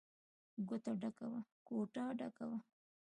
کوټه ډکه وه.